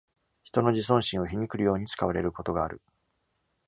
人の自尊心を皮肉るように使われることがある。